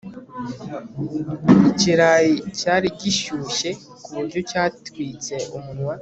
Ikirayi cyari gishyushye kuburyo cyatwitse umunwa